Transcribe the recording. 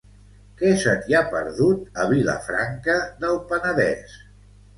Què se t'hi ha perdut, a Vilafranca del Penedes?